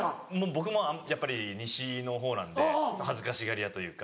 僕もやっぱり西の方なんで恥ずかしがり屋というか。